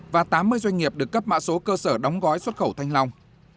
và tám mươi doanh nghiệp được cấp mã số cơ sở đóng gói xuất khẩu thanh long